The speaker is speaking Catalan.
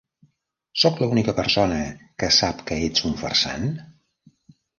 Sóc l'única persona que sap que ets un farsant?